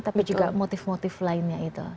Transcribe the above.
tapi juga motif motif lainnya itu